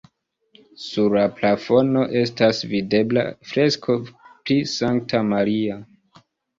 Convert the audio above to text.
Sur la plafono estas videbla fresko pri Sankta Maria.